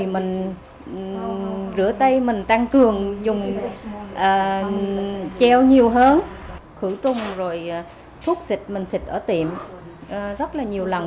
mình treo nhiều hơn khử trùng rồi thuốc xịt mình xịt ở tiệm rất là nhiều lần